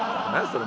それ。